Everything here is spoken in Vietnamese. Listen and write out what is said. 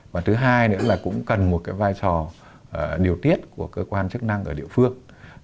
và thứ hai nữa là cũng cần một cái vai trò điều tiết của cơ quan chức năng ở địa phương